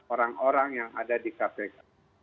orang orang yang ada di kpk